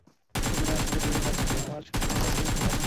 কিন্তু তাঁর সঙ্গে দীর্ঘদিন কাজ করে আমার সবকিছুতেই টের পাই তিনি আছেন।